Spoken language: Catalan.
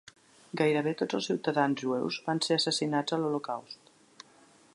Gairebé tots els ciutadans jueus van ser assassinats a l'Holocaust.